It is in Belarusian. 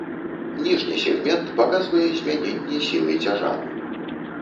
Ніжні сегмент паказвае змяненне сілы цяжару.